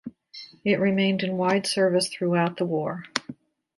It remained in wide service throughout the war.